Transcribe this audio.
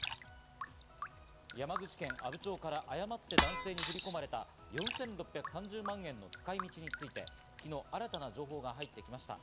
山口県阿武町から誤って男性に振り込まれた４６３０万円の使い道について昨日、新たな情報が入ってきました。